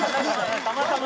たまたま。